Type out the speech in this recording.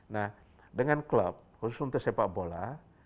nah dengan klub khusus untuk sepak bola